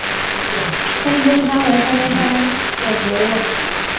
篦子三尖杉为三尖杉科三尖杉属的植物。